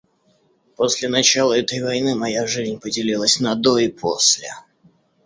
После начала этой войны моя жизнь поделилась на до и после.